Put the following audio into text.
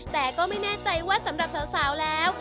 แต่ก็ไม่แน่ใจว่าสำหรับสาวแล้ว